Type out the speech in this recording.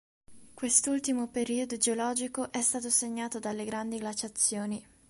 Quest'ultimo periodo geologico è stato segnato dalle grandi glaciazioni.